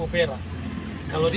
maka dia bisa menangkap rp dua